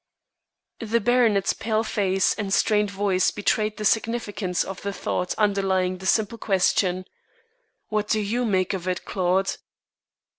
The baronet's pale face and strained voice betrayed the significance of the thought underlying the simple question. "What do you make of it, Claude?"